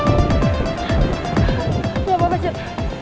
gak apa apa cet